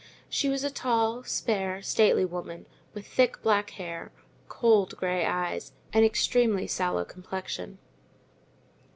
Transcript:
She was a tall, spare, stately woman, with thick black hair, cold grey eyes, and extremely sallow complexion.